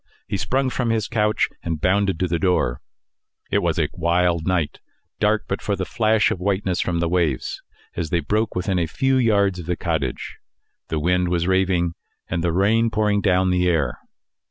He sprung from his couch and bounded to the door. It was a wild night dark, but for the flash of whiteness from the waves as they broke within a few yards of the cottage; the wind was raving, and the rain pouring down the air.